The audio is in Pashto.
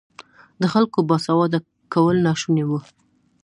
د خلکو باسواده کول ناشوني وو.